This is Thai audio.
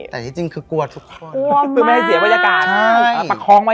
แต่ที่จริงคือกลัวทุกคน